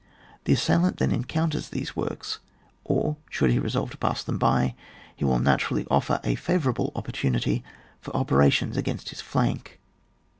The assailant then encounters these works, or should he resolve to pass them by, he will naturally offer a favour able opportunity for operations against his flank.